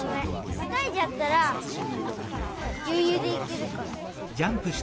またいじゃったらよゆうでいけるから。